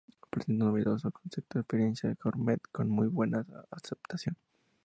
Presenta su novedoso concepto 'Experiencia Gourmet', con muy buena aceptación.